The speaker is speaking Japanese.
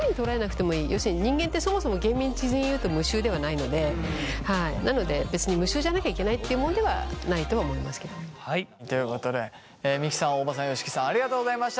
要するに人間ってそもそも厳密に言うと無臭ではないのでなので別に無臭じゃなきゃいけないっていうものではないとは思いますけれども。ということで三木さん大場さん吉木さんありがとうございました。